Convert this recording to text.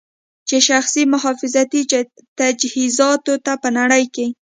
چې شخصي محافظتي تجهیزاتو ته په نړۍ کې